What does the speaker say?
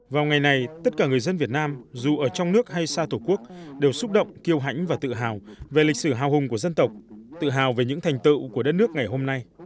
vào ngày này tất cả người dân việt nam dù ở trong nước hay xa tổ quốc đều xúc động kêu hãnh và tự hào về lịch sử hào hùng của dân tộc tự hào về những thành tựu của đất nước ngày hôm nay